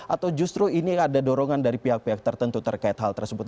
atau justru ini ada dorongan dari pihak pihak tertentu terkait hal tersebut